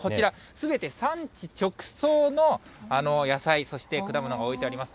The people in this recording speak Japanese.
すべて産地直送の野菜、そして果物が置いてあります。